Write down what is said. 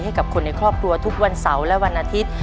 ให้กับคนในครอบครัวทุกวันเสาร์และวันอาทิตย์